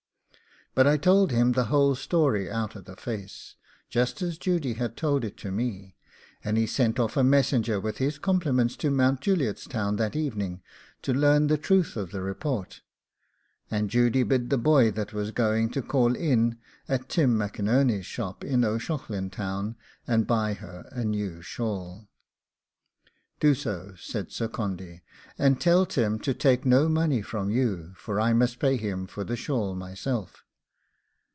But I told him the whole story out of the face, just as Judy had told it to me, and he sent off a messenger with his compliments to Mount Juliet's Town that evening, to learn the truth of the report, and Judy bid the boy that was going call in at Tim M'Enerney's shop in O'Shaughlin's Town and buy her a new shawl. 'Do so,' Said Sir Condy, 'and tell Tim to take no money from you, for I must pay him for the shawl myself.